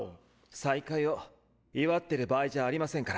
再会を祝ってる場合じゃありませんから。